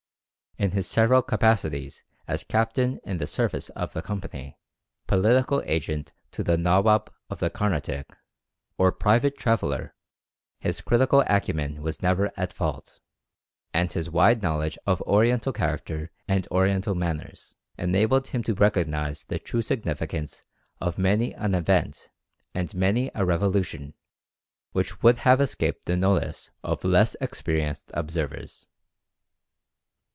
In his several capacities as captain in the service of the Company, political agent to the Nawab of the Carnatic, or private traveller, his critical acumen was never at fault; and his wide knowledge of Oriental character and Oriental manners, enabled him to recognize the true significance of many an event and many a revolution which would have escaped the notice of less experienced observers.